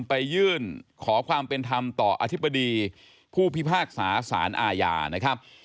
ไปยื่นขอความเป็นธรรมต่ออธิบดีผู้พิพากษาสารอาญานะครับ